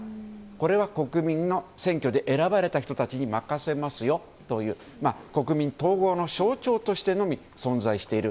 これは国民の選挙で選ばれた人たちに任せますよという国民統合の象徴としてのみ存在している。